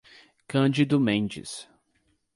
Cândido Mendes